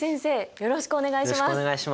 よろしくお願いします。